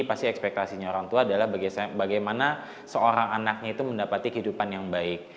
pasti ekspektasinya orang tua adalah bagaimana seorang anaknya itu mendapati kehidupan yang baik